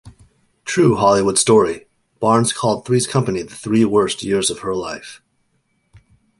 True Hollywood Story", Barnes called "Three's Company" the "three worst years" of her life.